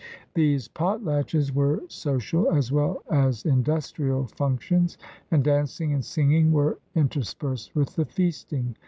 These potlatches were social as well as industrial functions, and dancing and singing were inter spersed with the feasting.